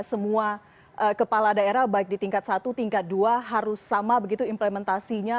semua kepala daerah baik di tingkat satu tingkat dua harus sama begitu implementasinya